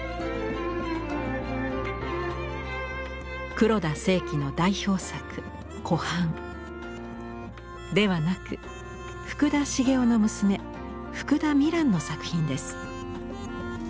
黒田清輝の代表作「湖畔」ではなく福田繁雄の娘福田美蘭の作品です。